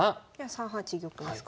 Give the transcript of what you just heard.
３八玉ですか？